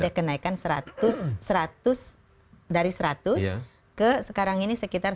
ada kenaikan dari seratus ke sekarang ini sekitar satu ratus tiga puluh an